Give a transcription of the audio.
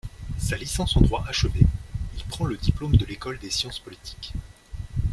Sa licence en droit achevée, il prend le diplôme de l'École des sciences politiques.